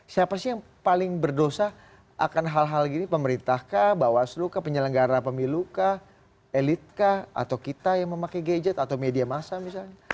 siapa sih yang paling berdosa akan hal hal gini pemerintah kah bawaslu kah penyelenggara pemilu kah elit kah atau kita yang memakai gadget atau media massa misalnya